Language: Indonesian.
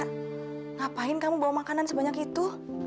ngapain kamu bawa makanan sebanyak itu